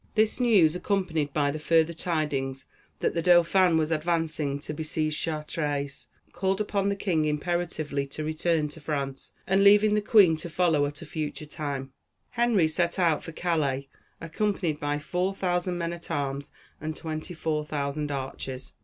This news, accompanied by the further tidings that the Dauphin was advancing to besiege Chartres, called upon the king imperatively to return to France; and leaving the queen to follow at a future time, Henry set out for Calais accompanied by four thousand men at arms and twenty four thousand archers.